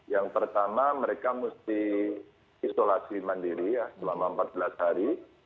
yang pertama mereka mesti isolasi mandiri ya selama empat belas hari